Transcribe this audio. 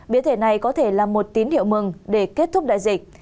biến thể này có thể là một tín hiệu mừng để kết thúc đại dịch